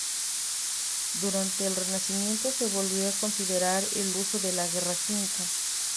Durante el Renacimiento se volvió a considerar el uso de la guerra química.